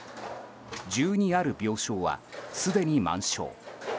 １２ある病床は、すでに満床。